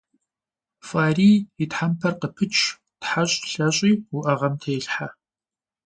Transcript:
ФӀарий и тхьэмпэр къыпыч, тхьэщӀ, лъэщӀи уӀэгъэм телъхьэ.